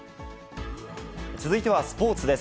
続いてはスポーツです。